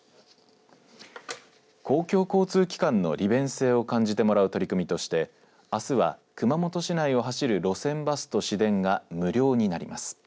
公共交通機関の利便性を感じてもらう取り組みとしてあすは熊本市内を走る路線バスと市電が無料になります。